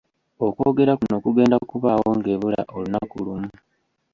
Okwogera kuno kugenda kubaawo ng'ebula olunaku lumu